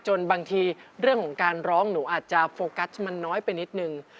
บางทีเรื่องของการร้องหนูอาจจะโฟกัสมันน้อยไปนิดนึง